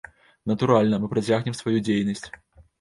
Натуральна, мы працягнем сваю дзейнасць.